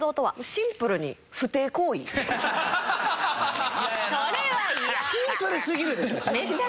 シンプルすぎるでしょ。